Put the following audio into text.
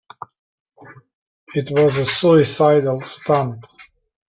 It was a suicidal stunt.